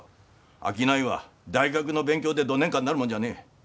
商いは大学の勉強でどねんかなるもんじゃねえ。